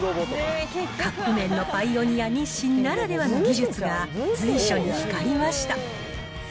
カップ麺のパイオニア、日清ならではの技術が随所に光りました。